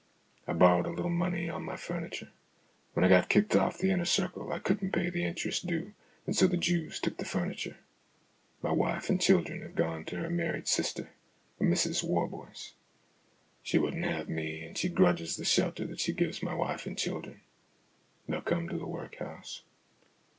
I borrowed a little money on my furniture. When I got kicked off The Inner Circle I couldn't pay the interest due, and so the Jews took the furniture. My wife and the children have gone to her married sister a Mrs Warboys. She wouldn't have me, and she grudges the shelter that she gives my wife and children ; they'll come to the workhouse.